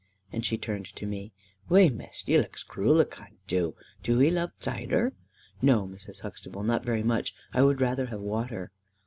Then she turned to me. "Whai, Miss, you looks crule unkid tu. Do e love zider?" "No, Mrs. Huxtable. Not very much. I would rather have water."